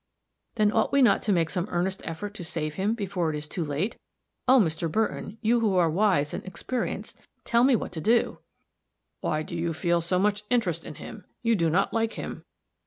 "Then ought we not to make some earnest effort to save him before it is too late? Oh, Mr. Burton, you who are wise and experienced tell me what to do." "Why do you feel so much interest in him? You do not like him."